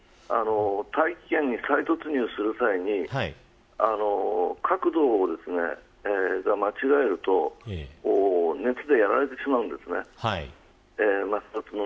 大気圏に再突入する際に間違えると熱でやられてしまうんです。